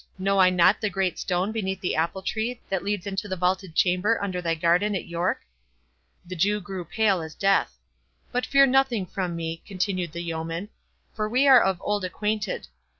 know I not the great stone beneath the apple tree, that leads into the vaulted chamber under thy garden at York?" The Jew grew as pale as death—"But fear nothing from me," continued the yeoman, "for we are of old acquainted.